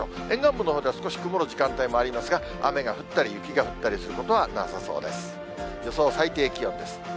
沿岸部のほうでは少し曇る時間帯もありますが、雨が降ったり、雪が降ったりすることはなさそうです。